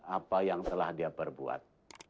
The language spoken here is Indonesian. apa yang telah dia perbuat